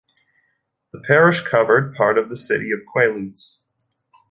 The parish covered part of the city of Queluz.